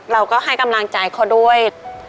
เราก็ให้กำลังใจเขาด้วย